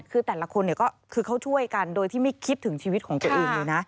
คือแต่ละคนก็คือเขาช่วยกันโดยที่ไม่คิดถึงชีวิตของตัวเองเลยนะ